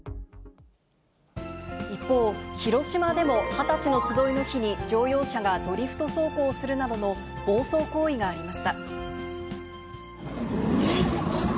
一方、広島でも二十歳のつどいの日に乗用車がドリフト走行するなどの暴走行為がありました。